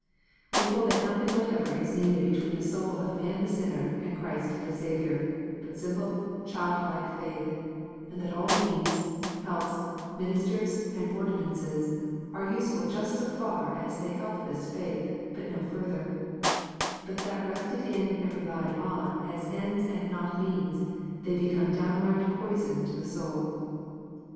We hold that nothing whatever is needed between the soul of man the sinner and Christ the Saviour, but simple, childlike faith, and that all means, helps, ministers, and ordinances are useful just so far as they help this faith, but no further ; but that rested in and relied on as ends and not as means, they become downright poison to the soul.